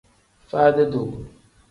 Faadi-duu.